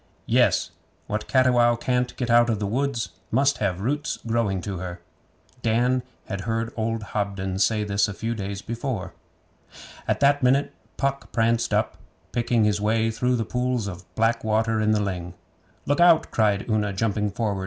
'Yes. "What Cattiwow can't get out of the woods must have roots growing to her."' Dan had heard old Hobden say this a few days before. At that minute Puck pranced up, picking his way through the pools of black water in the ling. 'Look out!' cried Una, jumping forward.